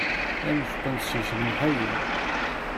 Ad neffqent seg-s lemḥayen.